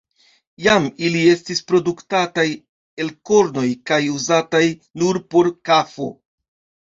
Iam ili estis produktataj el kornoj kaj uzataj nur por kafo.